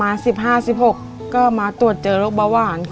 มาสิบห้าสิบหกก็มาตรวจเจอโรคเบาหวาน